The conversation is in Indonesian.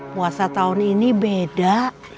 puasa tahun ini beda